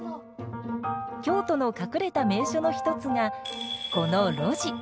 京都の隠れた名所の一つがこの路地。